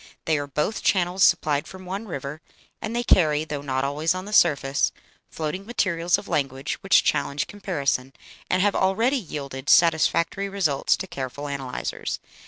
They are both channels supplied from one river, and they carry, though not always on the surface, floating materials of language which challenge comparison, and have already yielded satisfactory results to careful analyzers."